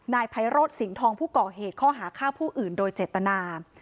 นายไพโรธสิงห์ทองผู้ก่อเหตุข้อหาฆ่าผู้อื่นโดยเจตนา